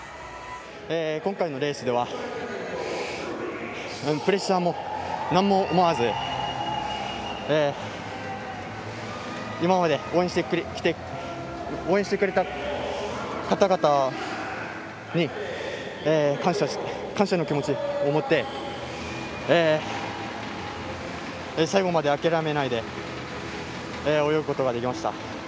今回のレースではプレッシャーもなんも思わず今まで応援してくれた方々に感謝の気持ちを持って最後まで諦めないで泳ぐことができました。